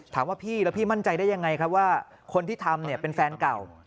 ถามว่าพี่แล้วพี่มั่นใจได้ยังไงครับว่าคนที่ทำเนี่ยเป็นแฟนเก่า